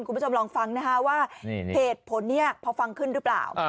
คุณผู้ชมลองฟังนะคะว่าเหตุผลนี้พอฟังขึ้นหรือเปล่า